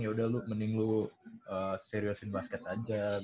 yaudah lu mending lu seriusin basket aja